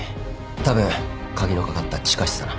たぶん鍵の掛かった地下室だな。